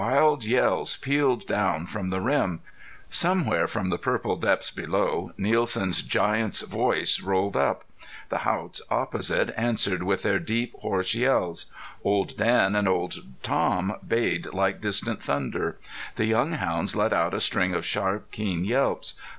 Wild yells pealed down from the rim. Somewhere from the purple depths below Nielsen's giant's voice rolled up. The Haughts opposite answered with their deep, hoarse yells. Old Dan and Old Tom bayed like distant thunder. The young hounds let out a string of sharp, keen yelps.